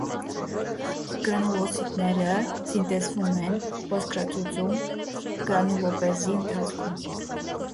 Գրանուլոցիտները սինթեզվում են ոսկրածուծում՝ գրանուլոպեզի ընթացքում։